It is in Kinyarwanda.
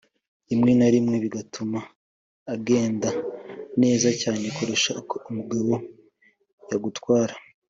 rimwe na rimwe bigatuma agenda neza cyane kurusha uko umugabo yagutwara